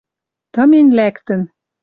Тымень лӓктӹн